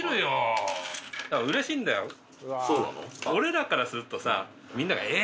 俺らからするとさ。